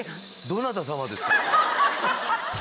どなた様ですか？